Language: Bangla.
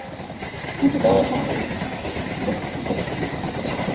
হুমকি দেওয়া-সম্পর্কিত মুঠোফোনের কথোপকথন সিডি আকারে কমিশনের কাছে অভিযোগ হিসেবে জমা দিয়েছি।